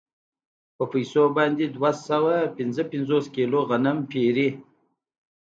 په پیسو باندې دوه سوه پنځه پنځوس کیلو غنم پېري